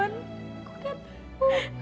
aku nggak tahu